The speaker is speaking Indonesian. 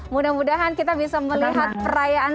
mudah mudahan kita bisa melihat perayaan